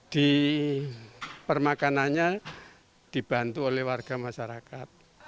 di permakanannya dibantu oleh warga masyarakat